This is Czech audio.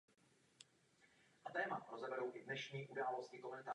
Toto jméno se brzy přeneslo na nápoj.